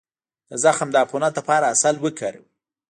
د زخم د عفونت لپاره عسل وکاروئ